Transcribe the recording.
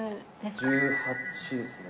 １８ですね。